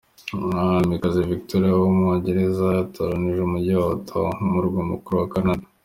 Umwamikazi Victoria w’ubwongereza yatoranyije umujyi wa Ottawa nk’umurwa mukuru wa Canada.